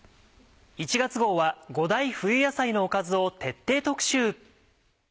１月号は５大冬野菜のおかずを徹底特集。